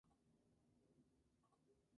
Con el paso de los años, fueron mejorando.